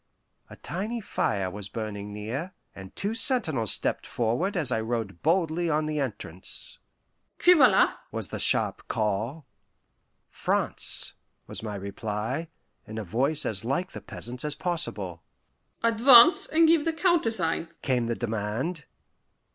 A tiny fire was burning near, and two sentinels stepped forward as I rode boldly on the entrance. "Qui va la?" was the sharp call. "France," was my reply, in a voice as like the peasant's as possible. "Advance and give the countersign," came the demand.